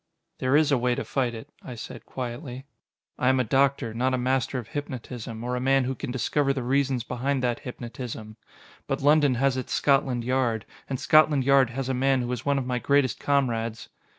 "There is a way to fight it," I said quietly. "I am a doctor, not a master of hypnotism, or a man who can discover the reasons behind that hypnotism. But London has its Scotland Yard, and Scotland Yard has a man who is one of my greatest comrades...."